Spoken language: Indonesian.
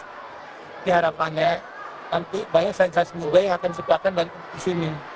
jadi harapannya nanti banyak sains sains mulia yang akan disediakan di sini